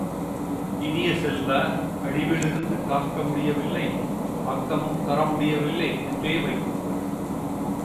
இனிய செல்வ, அழிவிலிருந்து காக்க முடியவில்லை, ஆக்கமும் தரமுடியவில்லை என்றே வைத்துக் கொள்!